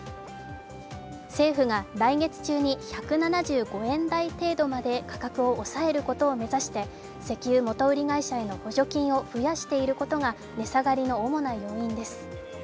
政府が来月中に１７５円台程度まで価格を抑えることを目指して石油元売り会社への補助金を増やしていることが値下がりの主な要因です。